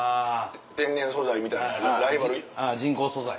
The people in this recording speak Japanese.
天然素材みたいなライバル。